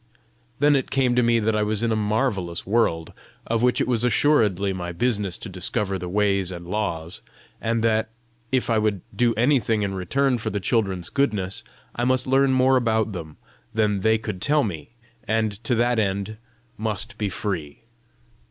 Then it came to me that I was in a marvellous world, of which it was assuredly my business to discover the ways and laws; and that, if I would do anything in return for the children's goodness, I must learn more about them than they could tell me, and to that end must be free.